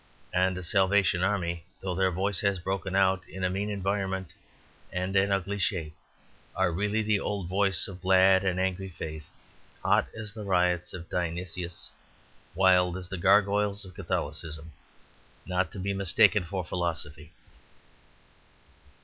And the Salvation Army, though their voice has broken out in a mean environment and an ugly shape, are really the old voice of glad and angry faith, hot as the riots of Dionysus, wild as the gargoyles of Catholicism, not to be mistaken for a philosophy.